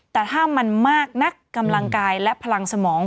แต่ถ้ามันมากนักกำลังกายและพลังสมอง